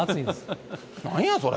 なんやそれ。